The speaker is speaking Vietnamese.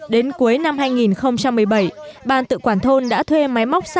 đến cuối năm hai nghìn một mươi bảy ban tự quản thôn đã thuê máy móc